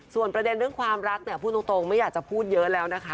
ส่วนประเด็นเรื่องความรักเนี่ยพูดตรงไม่อยากจะพูดเยอะแล้วนะคะ